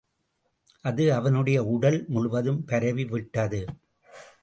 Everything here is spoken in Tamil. அது அவனுடைய உடல் முழுவதும் பரவி விட்டது!